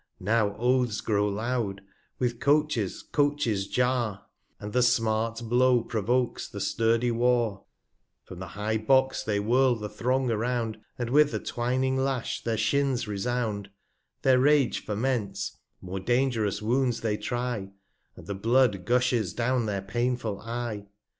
..Now Oaths grow loud, with Coaches Coaches jar, 35 \ And the smart Blow provokes the sturdy War ; From the high Box they whirl the Thong around, And with the twining Lash their Shins resound: Their Rage ferments, more dang'rous Wounds they try, And the Blood gushes down their painful Eye.